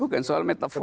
bukan soal metafor